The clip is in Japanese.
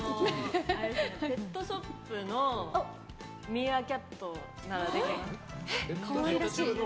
ペットショップのミーアキャットならできます。